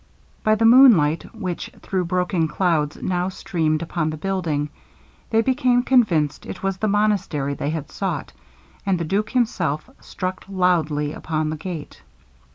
By the moonlight, which through broken clouds now streamed upon the building, they became convinced it was the monastery they had sought, and the duke himself struck loudly upon the gate.